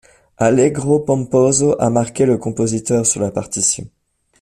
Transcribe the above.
Allegro pomposo a marqué le compositeur sur la partition.